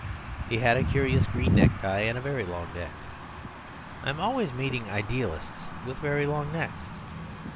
He had a curious green necktie and a very long neck; I am always meeting idealists with very long necks.